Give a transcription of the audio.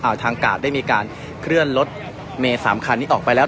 เอาทางกาดได้มีการเคลื่อนรถเมสามคันนี้ออกไปแล้ว